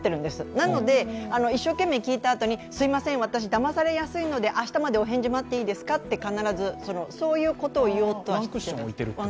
なので一生懸命聞いたあとに、すみません、私、だまされやすいので明日までお返事待っていいですかって必ずそういうことは言おうと思います。